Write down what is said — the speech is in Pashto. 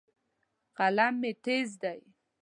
قلم مې تیز دی.